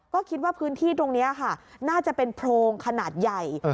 ก็คิดว่าพื้นที่ตรงนี้ค่ะน่าจะเป็นโพรงขนาดใหญ่